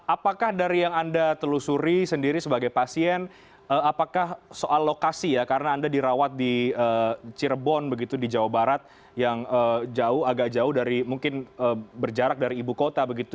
apakah dari yang anda telusuri sendiri sebagai pasien apakah soal lokasi ya karena anda dirawat di cirebon begitu di jawa barat yang jauh agak jauh dari mungkin berjarak dari ibu kota begitu